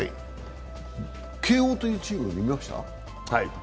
慶応っていうチーム、見ました？